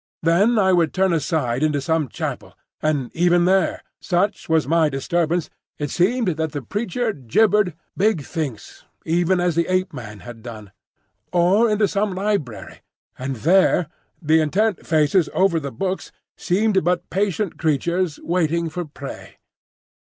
Then I would turn aside into some chapel,—and even there, such was my disturbance, it seemed that the preacher gibbered "Big Thinks," even as the Ape man had done; or into some library, and there the intent faces over the books seemed but patient creatures waiting for prey.